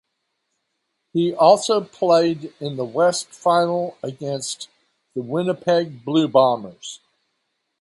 He also played in the West Final against the Winnipeg Blue Bombers.